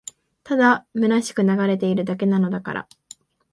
ただ空しく流れているだけなのだから